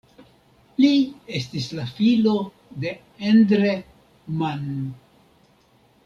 Li estis la filo de Endre Mann.